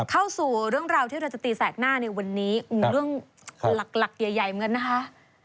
เข้าสู่เรื่องราวที่เราจะตีแสกหน้าในวันนี้เรื่องหลักใหญ่เหมือนกันนะคะ